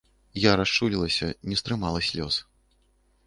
Я расчулілася, не стрымала слёз.